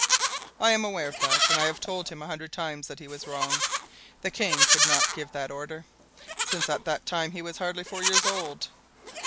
"I am aware of that, and I have told him a hundred times that he was wrong. The king could not give that order, since at that time he was hardly four years old."